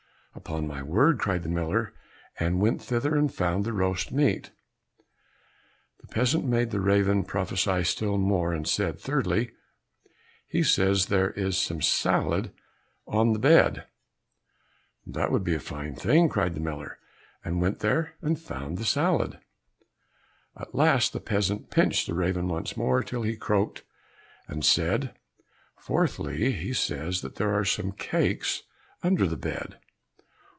"Upon my word!" cried the miller, and went thither, and found the roast meat. The peasant made the raven prophesy still more, and said, "Thirdly, he says that there is some salad on the bed." "That would be a fine thing!" cried the miller, and went there and found the salad. At last the peasant pinched the raven once more till he croaked, and said, "Fourthly, he says that there are some cakes under the bed."